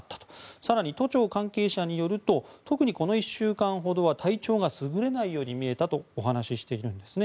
更に都庁関係者によると特にこの１週間ほどは体調がすぐれないように見えたと話しているんですね。